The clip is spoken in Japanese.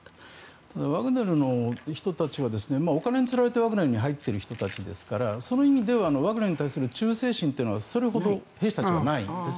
ワグネルの人たちがお金につられてワグネルに入っている人たちですからその意味ではワグネルに対する忠誠心はそれほど兵士たちはないんです。